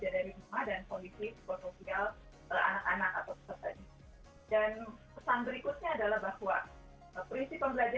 dengan satuan pendidikan